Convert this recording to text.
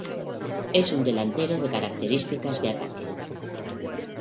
Es un delantero de características de ataque.